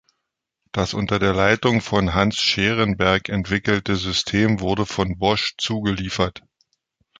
Das unter der Leitung von Hans Scherenberg entwickelte System wurde von Bosch zugeliefert.